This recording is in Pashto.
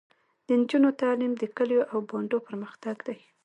د نجونو تعلیم د کلیو او بانډو پرمختګ دی.